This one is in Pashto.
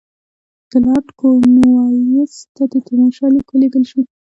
د لارډ کورنوالیس ته د تیمورشاه لیک ولېږل شو.